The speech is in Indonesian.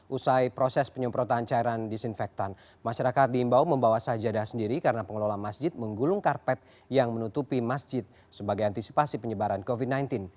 usai proses penyemprotan cairan disinfektan masyarakat diimbau membawa sajadah sendiri karena pengelola masjid menggulung karpet yang menutupi masjid sebagai antisipasi penyebaran covid sembilan belas